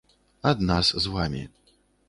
Ад нас з вамі.